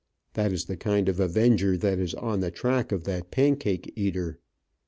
That is the kind of avenger that is on the track of that pancake eater.